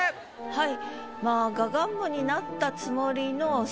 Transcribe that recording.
はい。